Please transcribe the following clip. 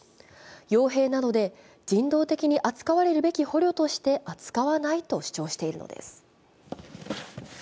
よう兵なので人道的に扱われる捕虜として扱わないと主張しているのです。